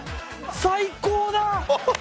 最高だ！